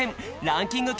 ランキング